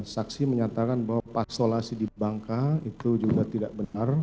saksi menyatakan bahwa pasolasi di bangka itu juga tidak benar